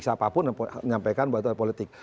siapapun menyampaikan berarti ada politik